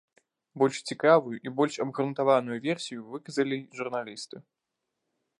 Больш цікавую, і больш абгрунтаваную версію выказалі журналісты.